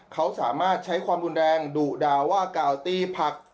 เขาสามารถใช้ความรุนแรงดุด่าว่ากล่าวตีผัก